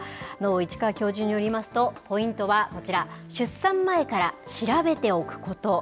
市川教授によりますと、ポイントはこちら、出産前から調べておくこと。